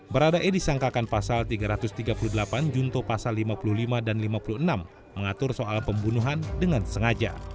berada e disangkakan pasal tiga ratus tiga puluh delapan junto pasal lima puluh lima dan lima puluh enam mengatur soal pembunuhan dengan sengaja